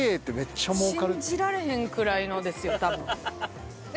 信じられへんくらいのですよ多分。